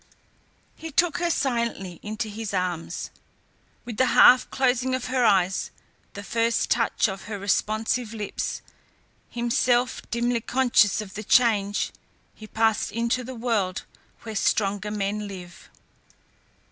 He took her silently into his arms. With the half closing of her eyes, the first touch of her responsive lips, himself dimly conscious of the change, he passed into the world where stronger men live.